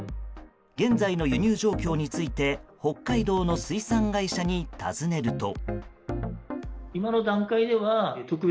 現在の輸入状況について北海道の水産会社に尋ねると。